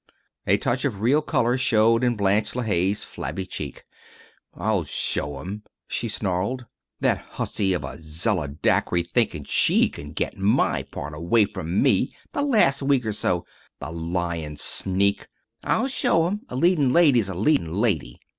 A touch of real color showed in Blanche LeHaye's flabby cheek. "I'll show'm she snarled. That hussy of a Zella Dacre thinkin' she can get my part away from me the last week or so, the lyin' sneak. I'll show'm a leadin' lady's a leadin' lady.